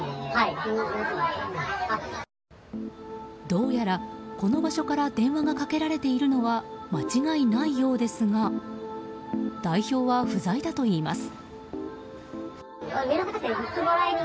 どうやらこの場所から電話がかけられているのは間違いないようですが代表は不在だといいます。